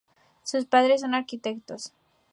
Sus padres son arquitectos.